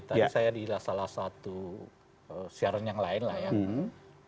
tadi saya di salah satu siaran yang lain lah ya